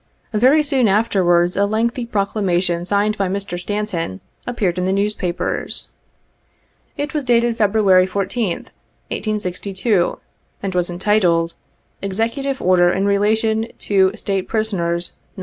Very soon afterwards a lengthy Proclamation signed by Mr. Stanton appeared in the newspapers. It was dated Febru ary 14th, 1862, and was entitled " Executive Order in Relation to State Prisoners, No.